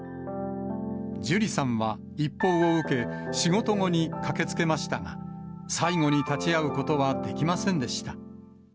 樹里さんは、一報を受け、仕事後に駆けつけましたが、最期に立ち会うことはできませんでした。